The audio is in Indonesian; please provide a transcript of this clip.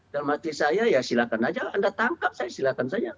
dan maksud saya ya silakan saja anda tangkap saya silakan saja